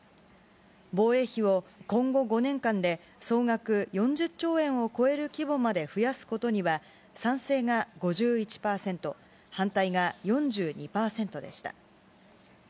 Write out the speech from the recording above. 防衛費を今後５年間で総額４０兆円を超える規模まで増やすことには賛成が５１％、反対が４２％でした。